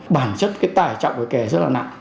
bản chất cái tải trọng của kẻ rất là nặng